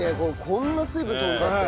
こんな水分飛んじゃった。